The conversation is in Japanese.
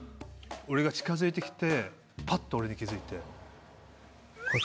俺が近づいてきてぱっと俺に気付いて。